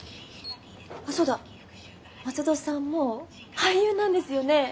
あっそうだ松戸さんも俳優なんですよね？